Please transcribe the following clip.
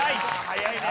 早いね。